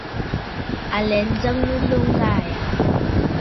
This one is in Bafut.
À lɛ njəŋnə nloŋ ŋgaa yàà.